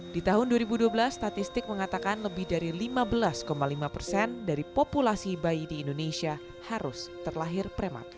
di tahun dua ribu dua belas statistik mengatakan lebih dari lima belas lima persen dari populasi bayi di indonesia harus terlahir prematur